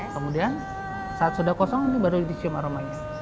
kemudian saat sudah kosong ini baru dicium aromanya